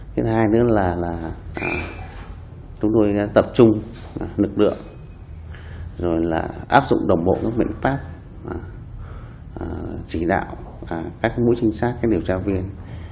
thứ hai nữa là chúng tôi đã tập trung lực lượng áp dụng đồng bộ các biện pháp chỉ đạo các mối trinh sát điều tra viên